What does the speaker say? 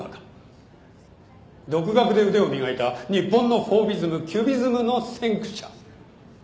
独学で腕を磨いた日本のフォービズムキュビズムの先駆者。